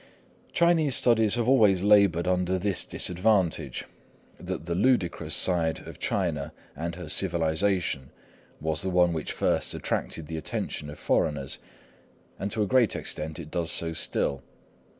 Chinese studies have always laboured under this disadvantage,—that the ludicrous side of China and her civilisation was the one which first attracted the attention of foreigners; and to a great extent it does so still.